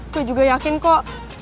gue juga yakin kok